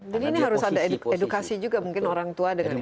jadi ini harus ada edukasi juga mungkin orang tua dengan muda